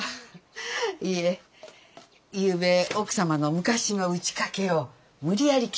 いえゆうべ奥様の昔の打ち掛けを無理やり着せられまして。